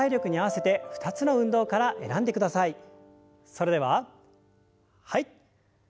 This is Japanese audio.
それでははい。